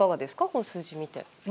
この数字見て。